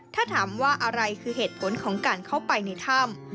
ถ้าถามว่าอะไรคือเหตุผลของการเข้าไปในถ้ำ